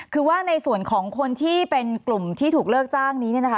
คือว่าในส่วนของคนที่เป็นกลุ่มที่ถูกเลิกจ้างนี้เนี่ยนะคะ